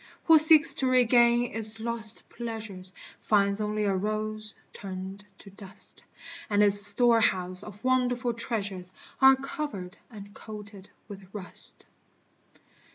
Who seeks to regain its lost pleasures, Finds only a rose turned to dust; And its storehouse of wonderful treasures Are covered and coated with rust.